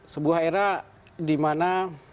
sebuah era dimana